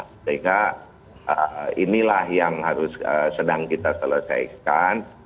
sehingga inilah yang harus sedang kita selesaikan